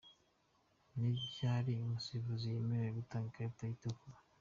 Ni ryari umusifuzi yemerewe gutanga ikarita itukura?.